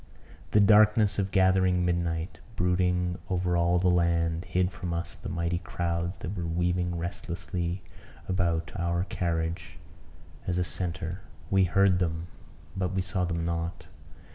The darkness of gathering midnight, brooding over all the land, hid from us the mighty crowds that were weaving restlessly about our carriage as a centre we heard them, but we saw them not.